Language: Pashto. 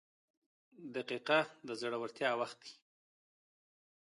• دقیقه د زړورتیا وخت دی.